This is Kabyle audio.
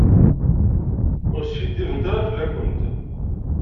Ur skiddibent ara fell-akent.